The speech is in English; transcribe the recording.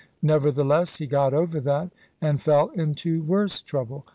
Nevertheless he got over that, and fell into worse trouble.